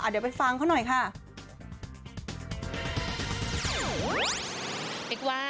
เดี๋ยวไปฟังเขาหน่อยค่ะ